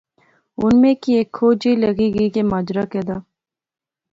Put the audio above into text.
ہن میں کی ہیک کھوج جئی لغی گئی کہ ماجرا کہہ دا